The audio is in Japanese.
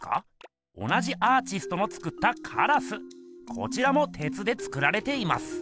こちらもてつで作られています。